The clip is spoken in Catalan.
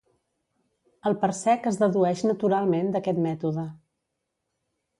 El parsec es dedueix naturalment d'aquest mètode.